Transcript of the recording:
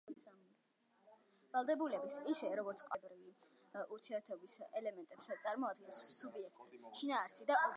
ვალდებულების, ისე როგორც ყველა სამოქალაქო-სამართლებრივი ურთიერთობის, ელემენტებს წარმოადგენს სუბიექტი, შინაარსი და ობიექტი.